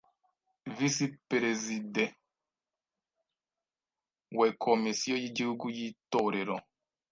Visi Perezide we Komisiyo y’Igihugu y’Itorero,